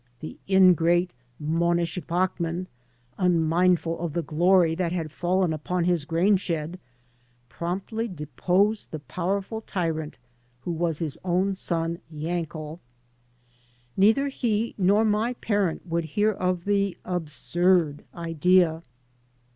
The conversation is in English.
The ingrate Monish Bachman, unmindful of the glory that had fallen upon his grain shed, promptly deposed the powerful tyrant, who was his own son Yankel. Neither he nor my parent would hear of the "absurd" idea.